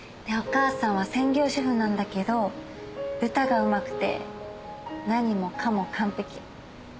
でお母さんは専業主婦なんだけど歌がうまくて何もかも完璧。